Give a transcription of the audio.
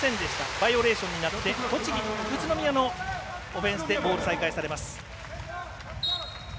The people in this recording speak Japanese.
バイオレーションになって宇都宮のオフェンスでボール再開されます。